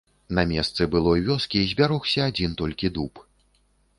На месцы былой вёскі збярогся адзін толькі дуб.